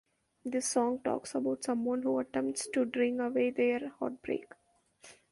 This song talks about someone who attempts to drink away their heartbreak.